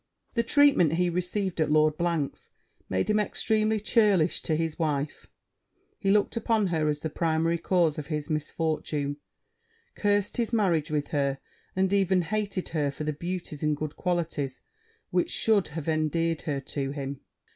The treatment he received at Lord 's made him extremely churlish to his wife; he looked upon her as the primary cause of his misfortune, cursed his marriage with her, and even hated her for the beauties and good qualities which should have endeared her to him.